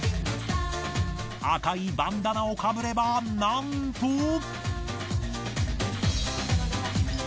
赤いバンダナをかぶればなんと。